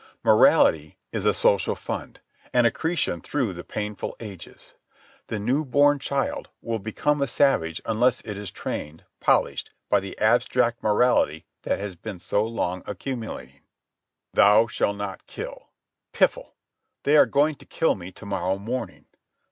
Morality is a social fund, an accretion through the painful ages. The new born child will become a savage unless it is trained, polished, by the abstract morality that has been so long accumulating. "Thou shalt not kill"—piffle! They are going to kill me to morrow morning.